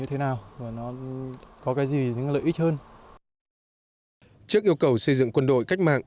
trước yêu cầu xây dựng quân đội cách mạng